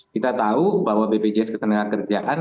kita tahu bahwa bpjs ketenagakerjaan